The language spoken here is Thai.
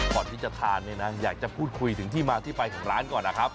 ก่อนที่จะทานเนี่ยนะอยากจะพูดคุยถึงที่มาที่ไปของร้านก่อนนะครับ